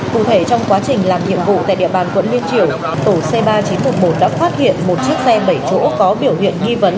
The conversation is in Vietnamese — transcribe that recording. cụ thể trong quá trình làm nhiệm vụ tại địa bàn quận liên triều tổ c ba nghìn chín trăm một mươi một đã phát hiện một chiếc xe bảy chỗ có biểu hiện nghi vấn